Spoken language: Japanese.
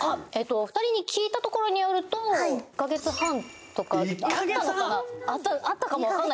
２人に聞いたところによると１か月半とかあったかもわかんないですね